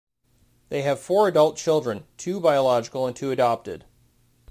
They have four adult children, two biological and two adopted.